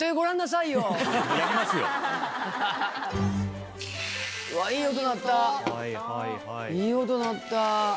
いい音鳴った。